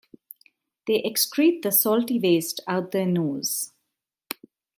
They excrete the salty waste out their nose.